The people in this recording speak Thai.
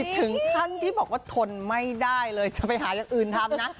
ถึงขั้นที่บอกว่าทนไม่ได้เลยจะไปหาอย่างอื่นทำนะ